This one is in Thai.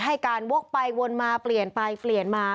ให้การวกไปวนมาเปลี่ยนไปเปลี่ยนมา